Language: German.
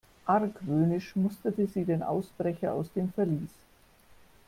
Argwöhnisch musterte sie den Ausbrecher aus dem Verlies.